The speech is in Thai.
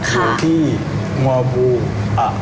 อยู่ที่งวบูอ่ะ